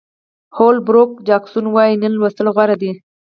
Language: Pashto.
هول بروک جاکسون وایي نن لوستل غوره دي.